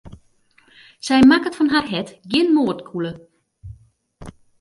Sy makket fan har hert gjin moardkûle.